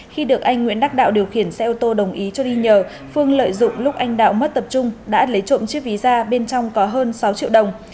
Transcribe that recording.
khi được anh nguyễn đắc đạo điều khiển xe ô tô đồng ý cho đi nhờ phương lợi dụng lúc anh đạo mất tập trung đã lấy trộm chiếc ví ra bên trong có hơn sáu triệu đồng